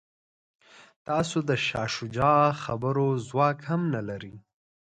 تاسو د شاه شجاع خبرو ځواک هم نه لرئ.